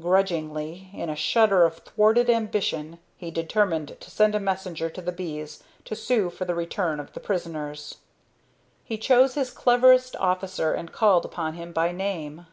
Grudgingly, in a shudder of thwarted ambition, he determined to send a messenger to the bees to sue for the return of the prisoners. He chose his cleverest officer and called upon him by name.